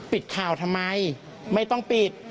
ปิดข่าวทำไมไม่ต้องปิด